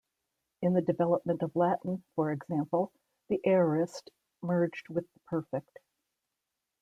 In the development of Latin, for example, the aorist merged with the perfect.